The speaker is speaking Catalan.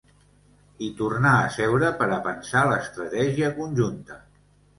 I tornar a seure per a pensar l’estratègia conjunta.